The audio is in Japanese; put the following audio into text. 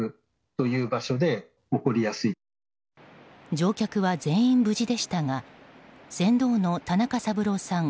乗客は全員無事でしたが船頭の田中三郎さん